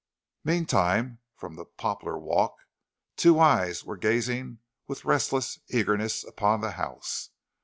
Meantime from the poplar walk two eyes were gazing with restless eagerness upon the house.